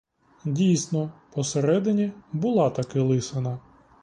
Дійсно, посередині була таки лисина.